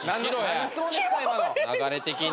流れ的に。